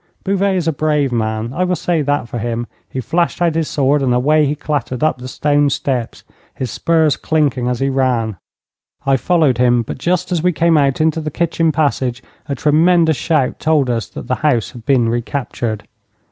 Bouvet is a brave man: I will say that for him. He flashed out his sword and away he clattered up the stone steps, his spurs clinking as he ran. I followed him, but just as we came out into the kitchen passage a tremendous shout told us that the house had been recaptured.